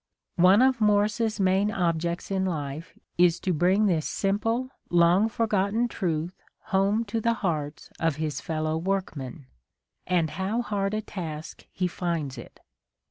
One of Morris's main objects in life is to bring this simple, long forgotten truth home to the hearts of his fellow workmen : and how hard a task he finds it